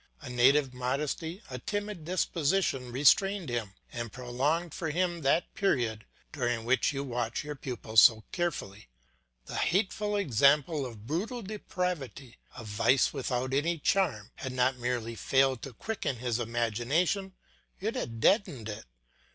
A native modesty, a timid disposition restrained him, and prolonged for him that period during which you watch your pupil so carefully. The hateful example of brutal depravity, of vice without any charm, had not merely failed to quicken his imagination, it had deadened it.